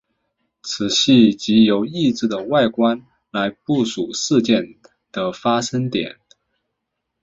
此系藉由异质的外观来部署事件的发生点。